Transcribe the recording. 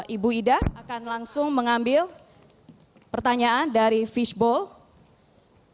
ibu ida akan langsung mengambil pertanyaan dari fishbowl